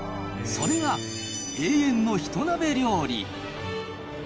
それが永遠のひと鍋料理。